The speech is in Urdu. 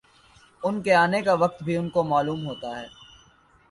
ان کے آنے کا وقت بھی ان کو معلوم ہوتا ہے